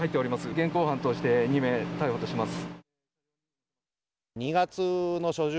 現行犯として２名逮捕します。